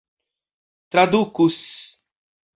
tradukus